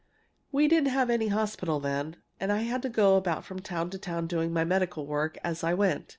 We didn't have any hospital then, and I had to go about from town to town doing my medical work as I went.